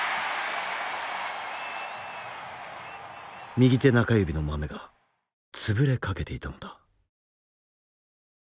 右手中指のまめが潰れかけていたのだ。